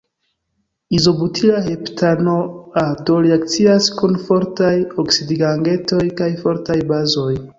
Izobutila heptanoato reakcias kun fortaj oksidigagentoj kaj fortaj bazoj.